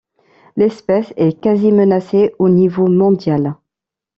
L'espèce est quasi menacée au niveau mondial.